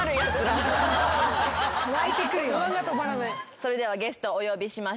それではゲストお呼びしましょう。